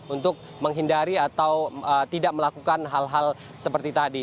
untuk menghindari atau tidak melakukan hal hal seperti tadi